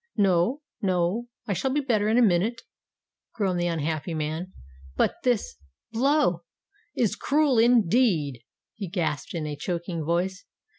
"No—no—I shall be better in a minute," groaned the unhappy man. "But this blow—is cruel—indeed!" he gasped in a choking voice.